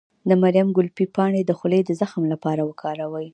د مریم ګلي پاڼې د خولې د زخم لپاره وکاروئ